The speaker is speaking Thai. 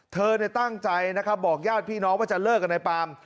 เธอตั้งใจนะครับบอกญาติพี่น้องว่าจะเลิกกับนายปาล์ม